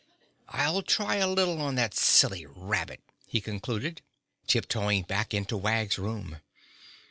I'll try a little on that silly rabbit," he concluded, tip toeing back into Wag's room.